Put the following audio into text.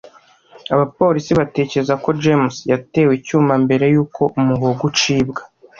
Abapolisi batekereza ko James yatewe icyuma mbere yuko umuhogo ucibwa.